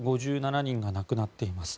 ５７人が亡くなっています。